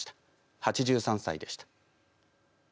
８３歳でした。